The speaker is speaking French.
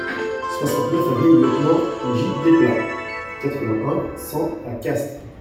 soixante-neuf avenue Lieutenant J Desplats, quatre-vingt-un, cent à Castres